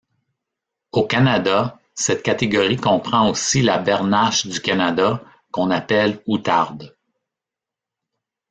Au Canada, cette catégorie comprend aussi la Bernache du Canada qu'on appelle outarde.